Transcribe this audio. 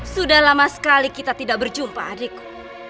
sudah lama sekali kita tidak berjumpa adikku